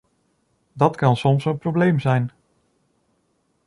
Dat kan soms een probleem zijn.